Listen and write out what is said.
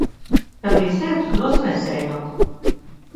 Kad līs lietus, dosimies sēņot.